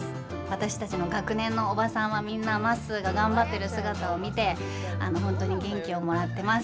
私たちの学年のおばさんはみんな、まっすーが頑張ってる姿を見て本当に元気をもらってます。